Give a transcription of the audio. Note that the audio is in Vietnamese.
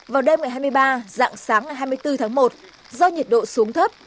vào đêm ngày hai mươi ba dạng sáng ngày hai mươi bốn tháng một do nhiệt độ xuống thấp